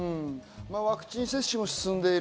ワクチン接種も進んでいる。